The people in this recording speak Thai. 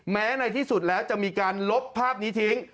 ในที่สุดแล้วจะมีการลบภาพนี้ทิ้ง